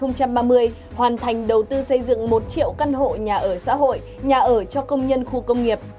năm hai nghìn ba mươi hoàn thành đầu tư xây dựng một triệu căn hộ nhà ở xã hội nhà ở cho công nhân khu công nghiệp